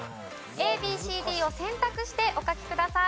ＡＢＣＤを選択してお書きください。